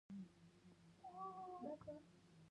مزارشریف د ټولو افغانانو د ګټورتیا یوه خورا مهمه برخه ده.